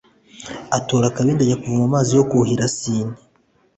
atora akabindi, ajya kuvoma amazi yo kuhira sine